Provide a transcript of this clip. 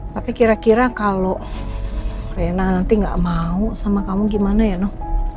tapi kira kira kalau rena nanti gak mau sama kamu gimana ya nok